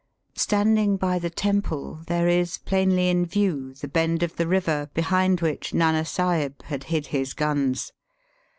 Standing by the temple there is plainly in view the bend of the river behind which Nana Sahib had hid his guns.